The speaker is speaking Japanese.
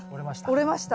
折れました。